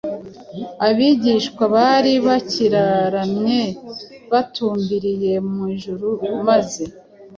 Abigishwa bari bakiraramye batumbiriye mu ijuru maze